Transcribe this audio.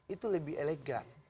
itu lebih elegan